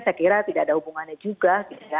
saya kira tidak ada hubungannya juga